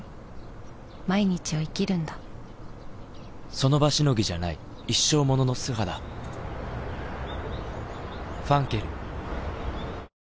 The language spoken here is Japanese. その場しのぎじゃない一生ものの素肌磧ファンケル」